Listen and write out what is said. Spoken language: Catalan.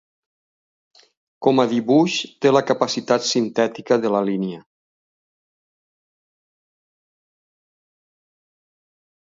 Com a dibuix, té la capacitat sintètica de la línia.